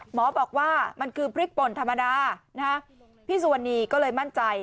หมอบอกว่ามันคือพริกป่นธรรมดาพี่สุวรรณีก็เลยมั่นใจ